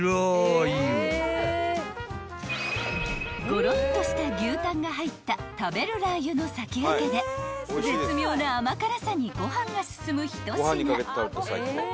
［ゴロッとした牛タンが入った食べるラー油の先駆けで絶妙な甘辛さにご飯が進む一品］